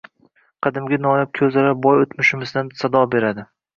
Qadimgi noyob ko‘zalar boy o‘tmishimizdan sado beradi